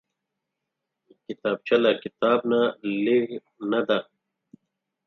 کتابچه له کتاب نه لږ نه ده